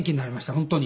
本当に。